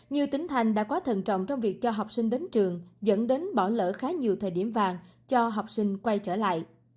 nhiều tỉnh thành đã quá thần trọng trong việc cho học sinh đến trường dẫn đến bỏ lỡ khá nhiều thời điểm vàng cho học sinh quay trở lại